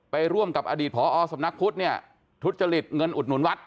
ร่วมกับอดีตพอสำนักพุทธเนี่ยทุจริตเงินอุดหนุนวัด